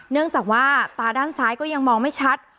เนื่องจากว่าตาด้านซ้ายก็ยังมองไม่ชัด